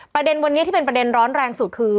ประเด็นวันนี้ที่เป็นประเด็นร้อนแรงสุดคือ